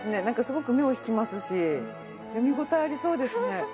なんかすごく目を引きますし読み応えありそうですね。